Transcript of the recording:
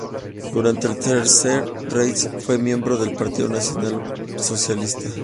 Durante el Tercer Reich fue miembro del partido nacional-socialista.